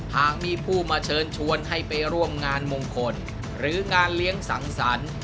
หากมีผู้มาเชิญชวนให้ไปร่วมงานมงคลหรืองานเลี้ยงสังสรรค์